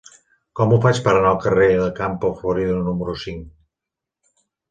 Com ho faig per anar al carrer de Campo Florido número cinc?